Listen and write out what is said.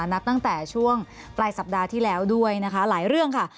นับตั้งแต่ช่วงปลายสัปดาห์ที่แล้วด้วยนะคะหลายเรื่องค่ะ